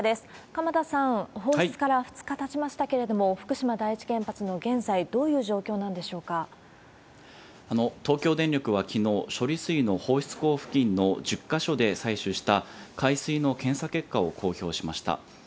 鎌田さん、放出から２日たちましたけれども、福島第一原発の現在、東京電力はきのう、処理水の放出口付近の１０か所で採取した海水の検査結果を公表しました。